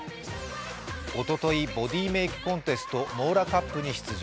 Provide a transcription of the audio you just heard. おととい、ボディメイクコンテストＭＯＬＡＣＵＰに出場。